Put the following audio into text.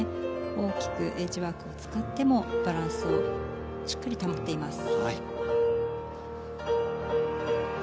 大きくエッジワークを使ってもバランスをしっかり保っています。